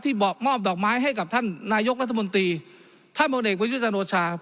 บอกมอบดอกไม้ให้กับท่านนายกรัฐมนตรีท่านบนเอกประยุทธโนชา